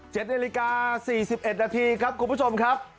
เจ็ดนาฬิกา๔๑นาทีครับคุณผู้ชมครับ